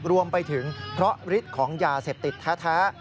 รวมไปถึงเพราะฤทธิ์ของยาเสพติดแท้